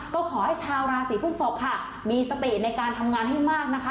ก็ขอให้ชาวราศีพฤกษกค่ะมีสติในการทำงานให้มากนะคะ